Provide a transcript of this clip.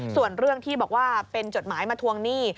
ส่วนเรื่องที่บอกว่าเป็นจดหมายมาทวงหนี้